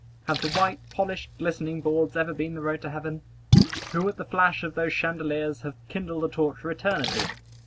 Have the white, polished, glistening boards ever been the road to heaven? Who at the flash of those chandeliers hath kindled a torch for eternity?